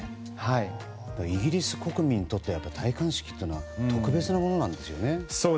イギリス国民にとって戴冠式は特別なものなんですよね。